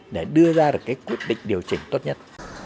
để đưa ra được cái quyết định điều chỉnh tốt nhất